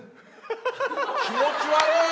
気持ち悪い！